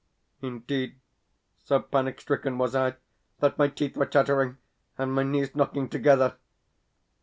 Indeed, so panic stricken was I, that my teeth were chattering and my knees knocking together.